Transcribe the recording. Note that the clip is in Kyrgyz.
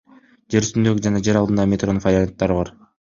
Жер үстүндөгү жана жер алдындагы метронун варианттары бар.